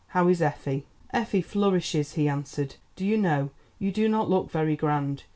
How is Effie?" "Effie flourishes," he answered. "Do you know, you do not look very grand.